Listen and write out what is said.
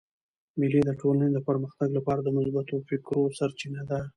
مېلې د ټولني د پرمختګ له پاره د مثبتو فکرو سرچینه ده.